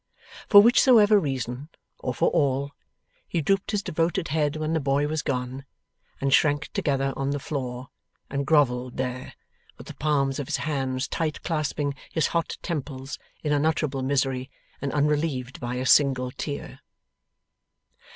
For whichsoever reason, or for all, he drooped his devoted head when the boy was gone, and shrank together on the floor, and grovelled there, with the palms of his hands tight clasping his hot temples, in unutterable misery, and unrelieved by a single tear.